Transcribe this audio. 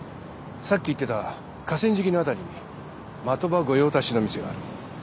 さっき言ってた河川敷の辺りに的場御用達の店がある。